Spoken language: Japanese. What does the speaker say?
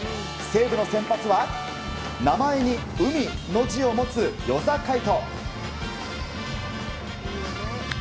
西武の先発は名前に「海」の字を持つ與座海人。